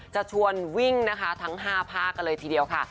จะชวนวิ่งนะคะทั้ง๕ภาคกันเลยทีเดียวค่ะ